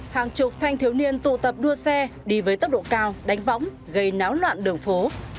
hàng chục thanh thiếu niên tụ tập đua xe đi với tốc độ cao đánh võng gây náo loạn đường phố